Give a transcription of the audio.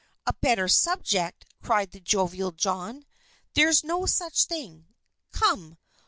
"A better subject!" cried the jovial John. "There's no such thing. Come!